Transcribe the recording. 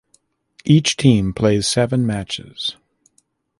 Each team plays seven matches.